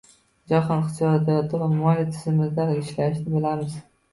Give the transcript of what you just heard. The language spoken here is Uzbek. Jahon iqtisodiyoti va moliya tizimi qanday ishlashini bilamiz